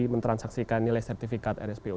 mentransaksikan nilai sertifikat rspo